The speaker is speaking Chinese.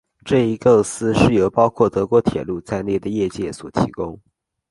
这一构思是由包括德国铁路在内的业界所提供。